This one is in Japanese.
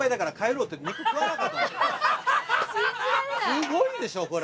すごいでしょこれ。